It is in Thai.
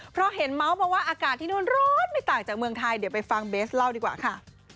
เพราะเห็นเมาส์มาว่าอากาศที่นู่นร้อนไม่ต่างจากเมืองไทยเดี๋ยวไปฟังเบสเล่าดีกว่าค่ะ